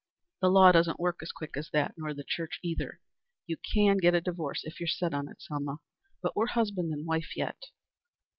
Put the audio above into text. "The law doesn't work as quick as that, nor the church either. You can get a divorce if you're set on it, Selma. But we're husband and wife yet."